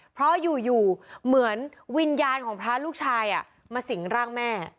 เพราะอยู่เหมือนวิญญาณของพระลูกชายมาสิงร่างแม่